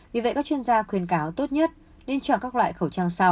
vì vậy các chuyên gia khuyên cáo tốt nhất nên chọn các loại khẩu trang sau